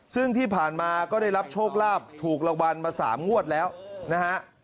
ซึ่งที่ผ่านมาก็ได้รับโชคลาภถูกรางวัลมา๓งวดแล้วนะฮะ